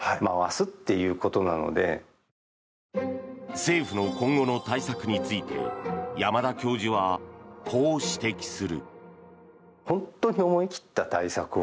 政府の今後の対策について山田教授はこう指摘する。